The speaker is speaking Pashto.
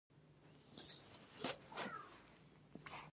مالي پانګه د پانګوالۍ یو بل پړاو دی